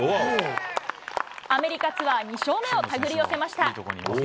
アメリカツアー２勝目を手繰り寄せました。